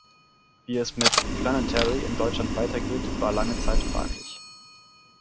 Wie es mit "Planetary" in Deutschland weitergeht war lange Zeit fraglich.